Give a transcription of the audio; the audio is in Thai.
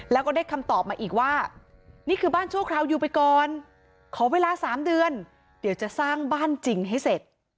แล้วก็ได้คำตอบมาอีกว่านี่คือบ้านชั่วคราวอยู่ไปก่อนขอเวลา๓เดือนเดี๋ยวจะสร้างบ้านจริงให้เสร็จ